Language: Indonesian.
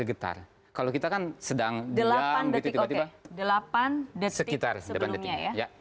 delapan detik oke delapan detik sebelumnya ya